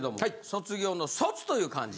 卒業の「卒」という漢字。